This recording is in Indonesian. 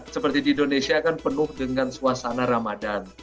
seperti di indonesia kan penuh dengan suasana ramadan